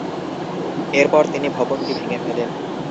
এরপর তিনি ভবনটি ভেঙে ফেলেন।